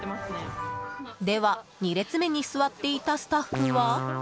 では２列目に座っていたスタッフは。